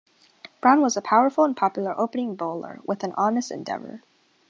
Brown was a powerful and popular opening bowler with honest endeavour.